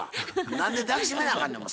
何で抱き締めなあかんねん。